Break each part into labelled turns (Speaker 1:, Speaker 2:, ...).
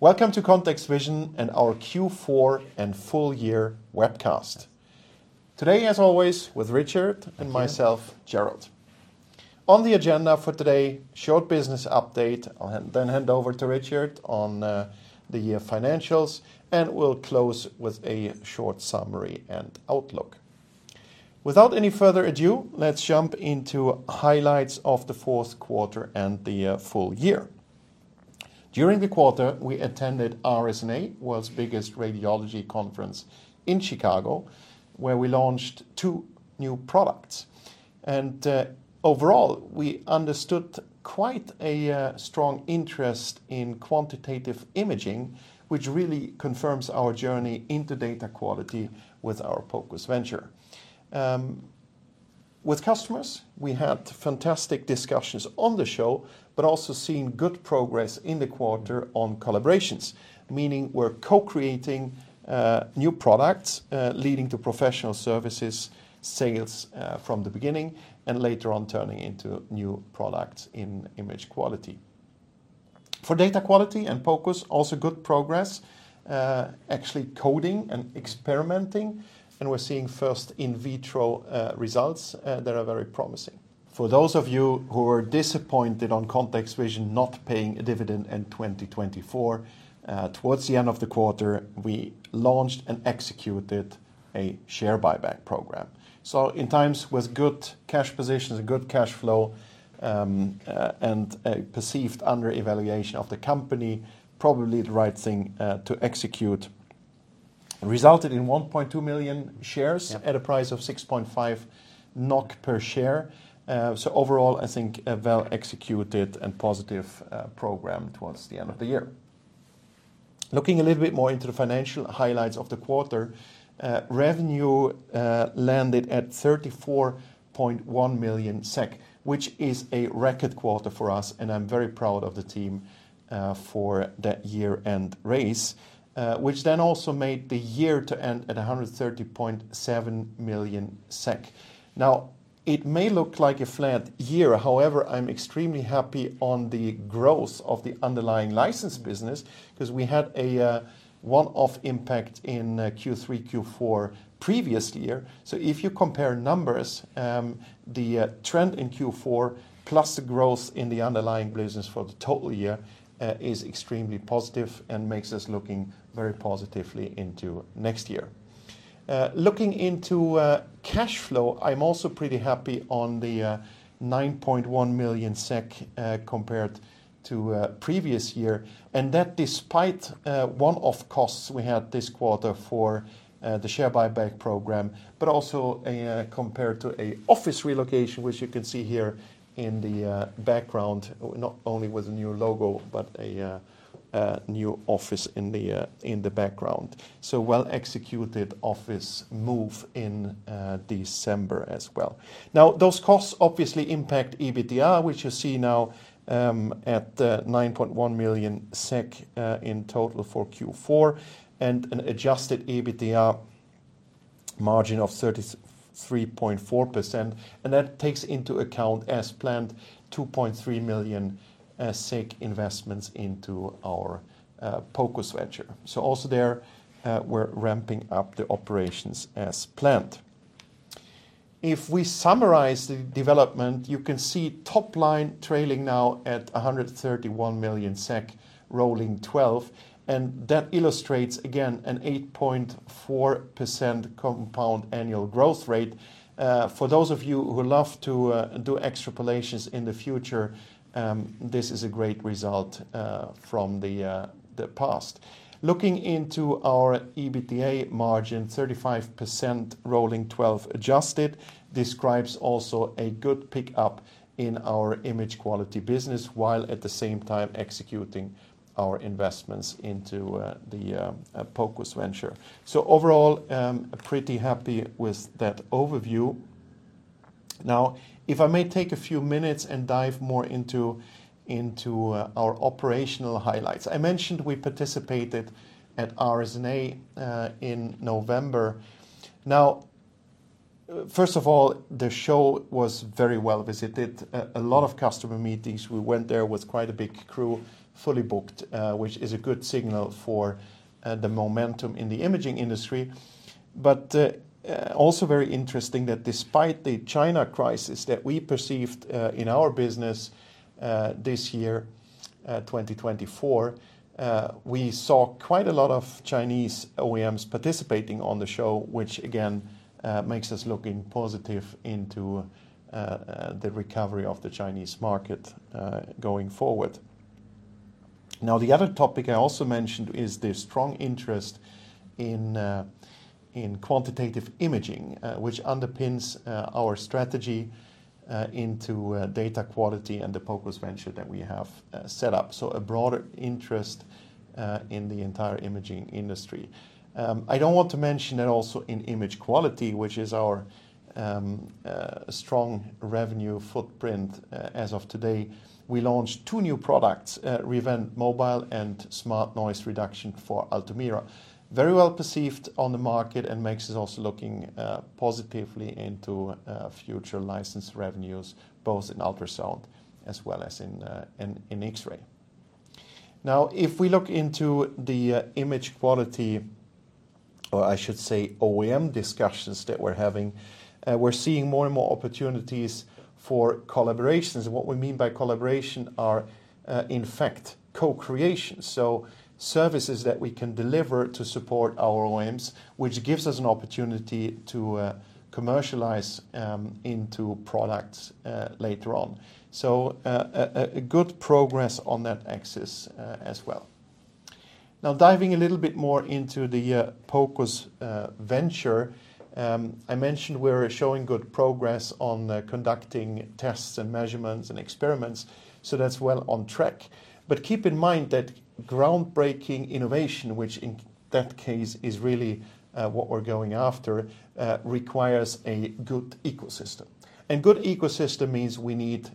Speaker 1: Welcome to ContextVision and our Q4 and full year webcast. Today, as always, with Richard and myself, Gerald. On the agenda for today, short business update, I'll then hand over to Richard on the year financials, and we'll close with a short summary and outlook. Without any further ado, let's jump into highlights of the fourth quarter and the full year. During the quarter, we attended RSNA, the world's biggest radiology conference in Chicago, where we launched two new products. Overall, we understood quite a strong interest in quantitative imaging, which really confirms our journey into data quality with our focus venture. With customers, we had fantastic discussions on the show, but also seen good progress in the quarter on collaborations, meaning we're co-creating new products, leading to professional services, sales from the beginning, and later on turning into new products in image quality. For data quality and focus, also good progress, actually coding and experimenting, and we're seeing first in vitro results that are very promising. For those of you who are disappointed on ContextVision not paying a dividend in 2024, towards the end of the quarter, we launched and executed a share buyback program. In times with good cash positions, a good cash flow, and a perceived under-evaluation of the company, probably the right thing to execute resulted in 1.2 million shares at a price of 6.5 NOK per share. Overall, I think a well-executed and positive program towards the end of the year. Looking a little bit more into the financial highlights of the quarter, revenue landed at 34.1 million SEK, which is a record quarter for us, and I'm very proud of the team for that year-end raise, which then also made the year to end at 130.7 million SEK. Now, it may look like a flat year. However, I'm extremely happy on the growth of the underlying license business because we had a one-off impact in Q3, Q4 previous year. If you compare numbers, the trend in Q4 plus the growth in the underlying business for the total year is extremely positive and makes us looking very positively into next year. Looking into cash flow, I'm also pretty happy on the 9.1 million SEK compared to previous year, and that despite one-off costs we had this quarter for the share buyback program, but also compared to an office relocation, which you can see here in the background, not only with a new logo, but a new office in the background. A well-executed office move in December as well. Now, those costs obviously impact EBITDA, which you see now at 9.1 million SEK in total for Q4 and an adjusted EBITDA margin of 33.4%. That takes into account, as planned, 2.3 million investments into our focus venture. Also there, we're ramping up the operations as planned. If we summarize the development, you can see top line trailing now at 131 million SEK, rolling 12, and that illustrates again an 8.4% compound annual growth rate. For those of you who love to do extrapolations in the future, this is a great result from the past. Looking into our EBITDA margin, 35% rolling 12 adjusted, describes also a good pickup in our image quality business while at the same time executing our investments into the focus venture. Overall, pretty happy with that overview. Now, if I may take a few minutes and dive more into our operational highlights. I mentioned we participated at RSNA in November. First of all, the show was very well visited. A lot of customer meetings. We went there with quite a big crew, fully booked, which is a good signal for the momentum in the imaging industry. Also very interesting that despite the China crisis that we perceived in our business this year, 2024, we saw quite a lot of Chinese OEMs participating on the show, which again makes us looking positive into the recovery of the Chinese market going forward. Now, the other topic I also mentioned is the strong interest in quantitative imaging, which underpins our strategy into data quality and the focus venture that we have set up. A broader interest in the entire imaging industry. I want to mention that also in image quality, which is our strong revenue footprint as of today. We launched two new products, Rivent Mobile and Smart Noise Reduction for Altumira. Very well perceived on the market and makes us also looking positively into future license revenues, both in ultrasound as well as in X-ray. Now, if we look into the image quality, or I should say OEM discussions that we're having, we're seeing more and more opportunities for collaborations. What we mean by collaboration are, in fact, co-creation. Services that we can deliver to support our OEMs, which gives us an opportunity to commercialize into products later on. Good progress on that axis as well. Now, diving a little bit more into the focus venture, I mentioned we're showing good progress on conducting tests and measurements and experiments. That's well on track. Keep in mind that groundbreaking innovation, which in that case is really what we're going after, requires a good ecosystem. A good ecosystem means we need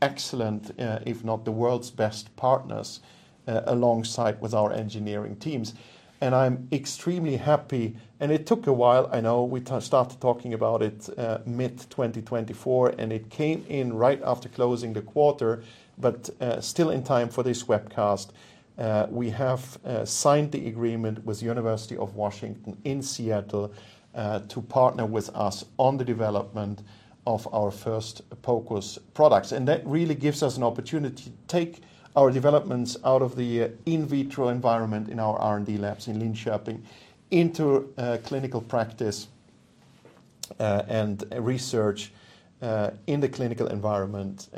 Speaker 1: excellent, if not the world's best partners alongside with our engineering teams. I'm extremely happy. It took a while. I know we started talking about it mid-2024, and it came in right after closing the quarter, but still in time for this webcast. We have signed the agreement with the University of Washington in Seattle to partner with us on the development of our first focus products. That really gives us an opportunity to take our developments out of the in vitro environment in our R&D labs in Linköping into clinical practice and research in the clinical environment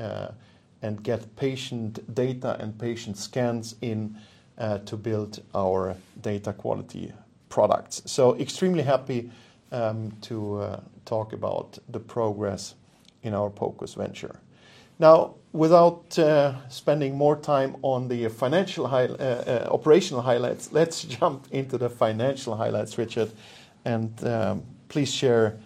Speaker 1: and get patient data and patient scans in to build our data quality products. Extremely happy to talk about the progress in our focus venture. Now, without spending more time on the operational highlights, let's jump into the financial highlights, Richard, and please share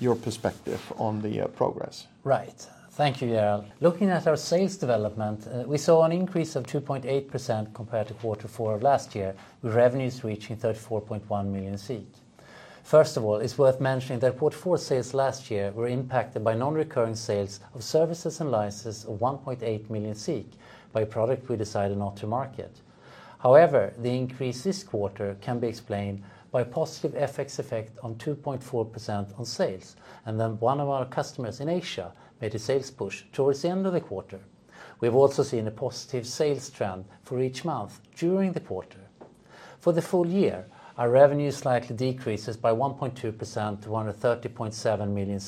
Speaker 1: your perspective on the progress.
Speaker 2: Right. Thank you, Gerald. Looking at our sales development, we saw an increase of 2.8% compared to quarter four of last year, with revenues reaching 34.1 million. First of all, it's worth mentioning that quarter four sales last year were impacted by non-recurring sales of services and licenses of 1.8 million by a product we decided not to market. However, the increase this quarter can be explained by a positive FX effect of 2.4% on sales, and then one of our customers in Asia made a sales push towards the end of the quarter. We've also seen a positive sales trend for each month during the quarter. For the full year, our revenues slightly decreased by 1.2% to 130.7 million.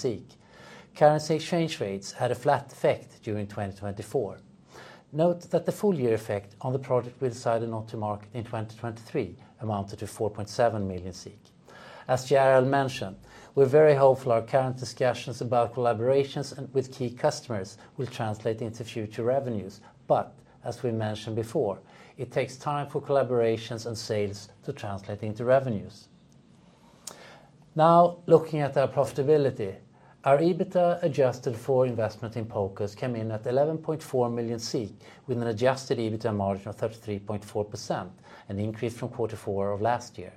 Speaker 2: Currency exchange rates had a flat effect during 2024. Note that the full year effect on the product we decided not to market in 2023 amounted to 4.7 million. As Gerald mentioned, we're very hopeful our current discussions about collaborations with key customers will translate into future revenues. As we mentioned before, it takes time for collaborations and sales to translate into revenues. Now, looking at our profitability, our EBITDA adjusted for investment in focus came in at 11.4 million with an adjusted EBITDA margin of 33.4%, an increase from quarter four of last year.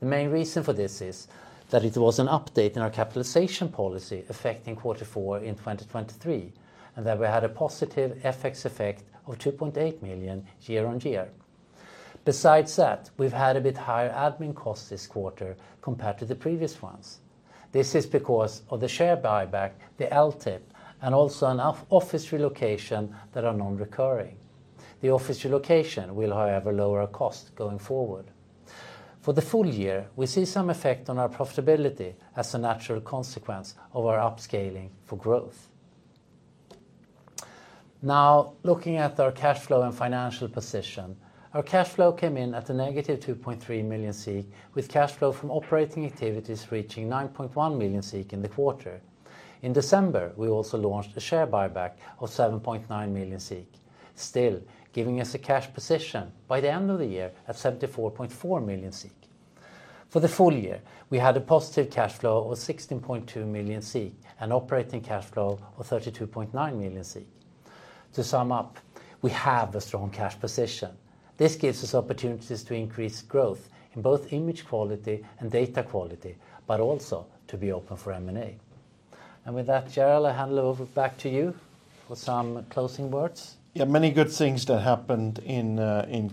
Speaker 2: The main reason for this is that it was an update in our capitalization policy affecting quarter four in 2023, and that we had a positive FX effect of 2.8 million year on year. Besides that, we've had a bit higher admin costs this quarter compared to the previous ones. This is because of the share buyback, the LTIP, and also enough office relocation that are non-recurring. The office relocation will, however, lower our costs going forward. For the full year, we see some effect on our profitability as a natural consequence of our upscaling for growth. Now, looking at our cash flow and financial position, our cash flow came in at a -2.3 million, with cash flow from operating activities reaching 9.1 million in the quarter. In December, we also launched a share buyback of 7.9 million, still giving us a cash position by the end of the year at 74.4 million. For the full year, we had a positive cash flow of 16.2 million and operating cash flow of 32.9 million. To sum up, we have a strong cash position. This gives us opportunities to increase growth in both image quality and data quality, but also to be open for M&A. With that, Gerald, I hand it over back to you for some closing words.
Speaker 1: Yeah, many good things that happened in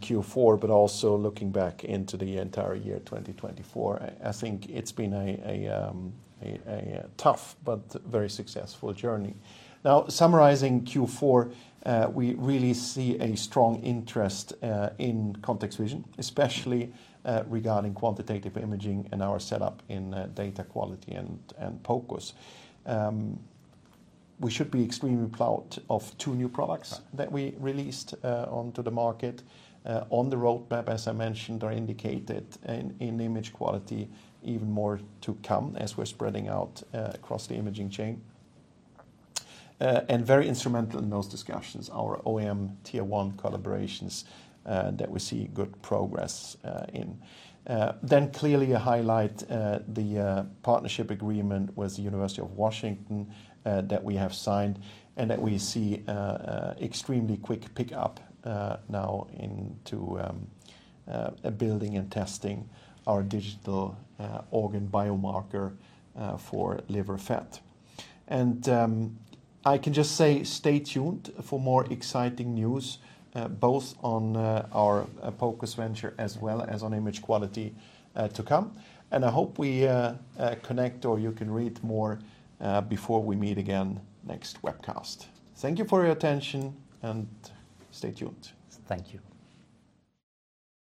Speaker 1: Q4, but also looking back into the entire year 2024, I think it's been a tough but very successful journey. Now, summarizing Q4, we really see a strong interest in ContextVision, especially regarding quantitative imaging and our setup in data quality and focus. We should be extremely proud of two new products that we released onto the market. On the roadmap, as I mentioned, are indicated in image quality even more to come as we're spreading out across the imaging chain. Very instrumental in those discussions, our OEM Tier 1 collaborations that we see good progress in. Clearly a highlight, the partnership agreement with the University of Washington that we have signed and that we see extremely quick pickup now into building and testing our digital organ biomarker for liver fat. I can just say stay tuned for more exciting news, both on our focus venture as well as on image quality to come. I hope we connect or you can read more before we meet again next webcast. Thank you for your attention and stay tuned. Thank you.